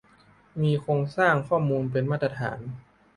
มีโครงสร้างข้อมูลเป็นมาตรฐาน